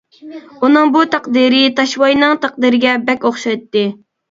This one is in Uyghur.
ئۇنىڭ بۇ تەقدىرى تاشۋاينىڭ تەقدىرىگە بەك ئوخشايتتى.